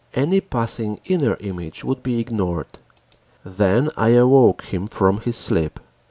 Any passing inner image would be ignored. Then I awoke him from his sleep.